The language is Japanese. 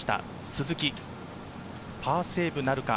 鈴木はパーセーブなるか。